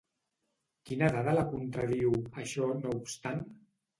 Quina dada la contradiu, això no obstant?